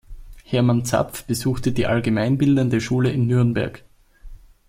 Hermann Zapf besuchte die Allgemeinbildende Schule in Nürnberg.